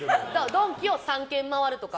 ドンキ３軒回るとか。